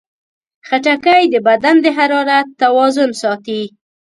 خټکی د بدن د حرارت توازن ساتي.